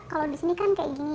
kalau di sini kan kayak gini